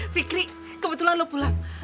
fikri kebetulan lu pulang